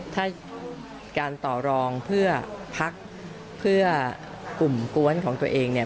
ถ้าการต่อรองเพื่อพักเพื่อกลุ่มกวนของตัวเองเนี่ย